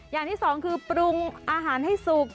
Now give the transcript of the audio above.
อย่างที่สองคือปรุงอาหารให้สุก